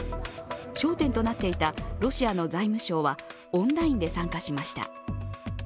焦点となっていたロシアの財務相はオンラインで参加しました。